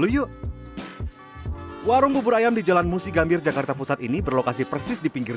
beli yuk warung bubur ayam di jalan musi gambir jakarta pusat ini berlokasi persis di pinggir